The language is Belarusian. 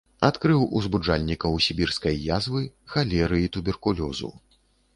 Адкрыў узбуджальнікаў сібірскай язвы, халеры і туберкулёзу.